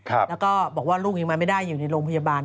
แล้วก็บอกว่าลูกยังมาไม่ได้อยู่ในโรงพยาบาล